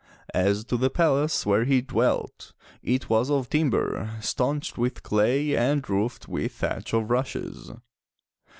As to the palace where he dwelt, it was of timber, staunched with clay and roofed with thatch of rushes.